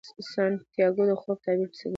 سانتیاګو د خوب تعبیر پسې ځي.